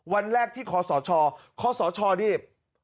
วันแรกที่ขอสอชอขอสอชอนี่